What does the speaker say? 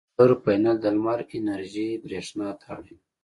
سولر پینل د لمر انرژي برېښنا ته اړوي.